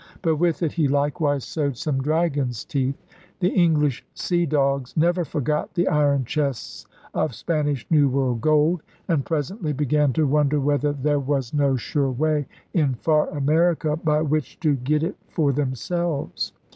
But with it he likewise sowed some dragon's teeth; The English sea dogs never forgot the iron chests of Spanish New World gold, and presently began to wonder whether there was no 32 ELIZABETHAN SEA DOGS sure way in far America by which to get it for themselves.